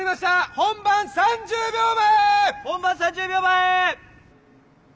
本番３０秒前！